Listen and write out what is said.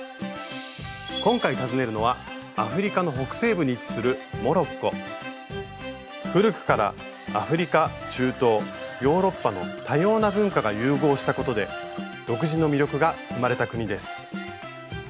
今回訪ねるのはアフリカの北西部に位置する古くからアフリカ中東ヨーロッパの多様な文化が融合したことで独自の魅力が生まれた国です。